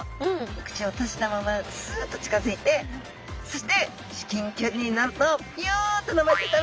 お口を閉じたままスッと近づいてそして至近距離になるとビヨンと伸ばして食べちゃうんですね！